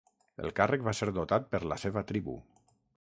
El càrrec va ser dotat per la seva tribu.